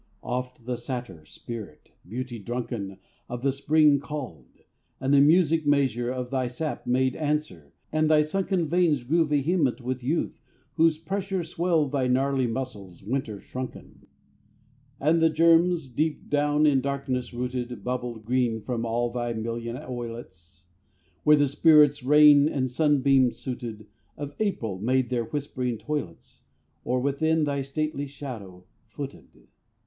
Oft the satyr spirit, beauty drunken, Of the Spring called; and the music measure Of thy sap made answer; and thy sunken Veins grew vehement with youth, whose pressure Swelled thy gnarly muscles, winter shrunken. And the germs, deep down in darkness rooted, Bubbled green from all thy million oilets, Where the spirits, rain and sunbeam suited, Of the April made their whispering toilets, Or within thy stately shadow footed.